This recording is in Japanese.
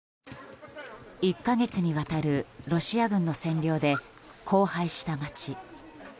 １か月にわたるロシア軍の占領で荒廃した街。